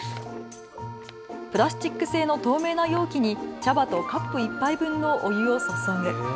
プラスチック製の透明な容器に茶葉とカップ１杯分のお湯を注ぐ。